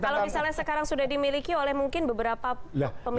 kalau misalnya sekarang sudah dimiliki oleh mungkin beberapa pemilih